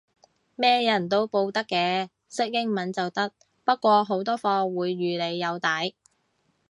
咩人都報得嘅，識英文就得，不過好多課會預你有底